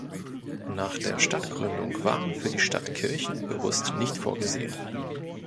Nach der Stadtgründung waren für die Stadt Kirchen bewusst nicht vorgesehen.